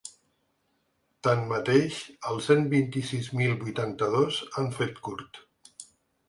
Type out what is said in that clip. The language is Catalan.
Tanmateix, els cent vint-i-sis mil vuitanta-dos han fet curt.